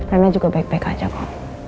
karena juga baik baik aja kok